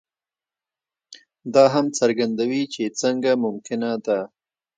دا هم څرګندوي چې څنګه ممکنه ده.